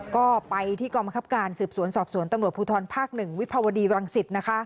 ก็ไปที่กองบังคับการสืบสวนสอบสวนตำรวจภูทรภาค๑วิภาวดีรังสิต